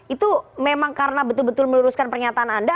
itu memang karena betul betul meluruskan pernyataan anda